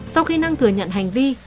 sau khi năng thừa nhận hành vi